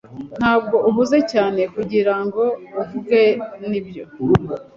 Ntabwo uhuze cyane kugirango uvuge, nibyo?